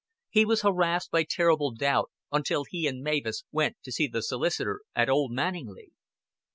He was harassed by terrible doubt until he and Mavis went to see the solicitor at Old Manninglea.